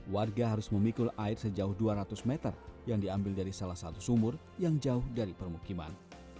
warga harus memikul air sejauh dua ratus meter yang diambil dari salah satu sumur yang jauh dari permukiman